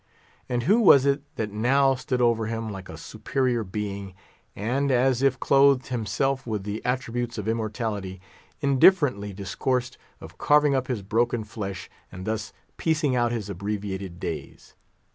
And who was it that now stood over him like a superior being, and, as if clothed himself with the attributes of immortality, indifferently discoursed of carving up his broken flesh, and thus piecing out his abbreviated days.